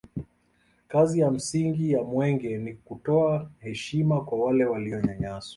kazi ya msingi ya mwenge ni kutoa heshima kwa wale walionyanyaswa